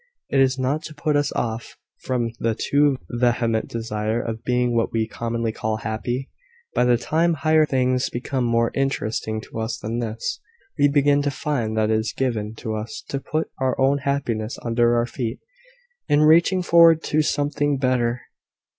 "Is it not to put us off from the too vehement desire of being what we commonly call happy? By the time higher things become more interesting to us than this, we begin to find that it is given to us to put our own happiness under our feet, in reaching forward to something better.